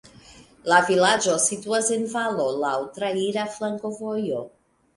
La vilaĝo situas en valo, laŭ traira flankovojo.